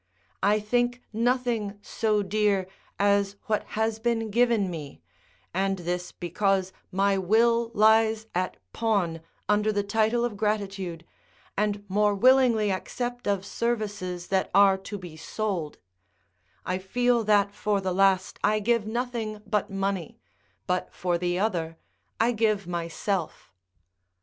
I think nothing so dear as what has been given me, and this because my will lies at pawn under the title of gratitude, and more willingly accept of services that are to be sold; I feel that for the last I give nothing but money, but for the other I give myself.